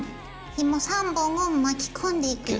ひも３本を巻き込んでいくよ。